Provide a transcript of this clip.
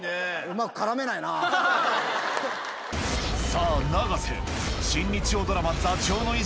さぁ永瀬！